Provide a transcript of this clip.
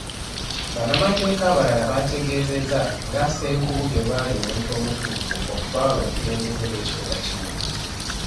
Bannamateeka abalala bategeezezza nga Ssenkubuge bw'ali omuntu omutuufu okutwala obukulembeze bw'ekibuga kino.